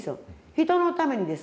人のためにです。